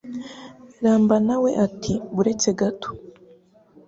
Ramba na we ati buretse gato